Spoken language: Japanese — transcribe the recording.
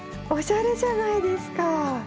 おしゃれじゃないですか！